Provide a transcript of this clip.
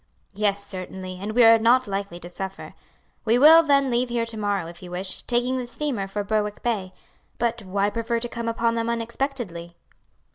"Yes, certainly; and we are not likely to suffer. We Will, then, leave here to morrow, if you wish, taking the steamer for Berwick Bay. But why prefer to come upon them unexpectedly?"